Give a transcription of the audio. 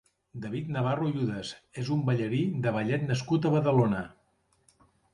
David Navarro Yudes és un ballarí de ballet nascut a Badalona.